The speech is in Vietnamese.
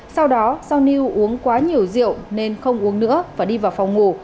sau đó do niu uống quá nhiều rượu nên không uống nữa và đi vào phòng ngủ